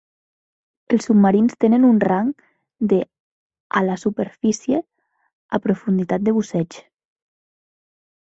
Els submarins tenen un rang de a la superfície, a profunditat de busseig.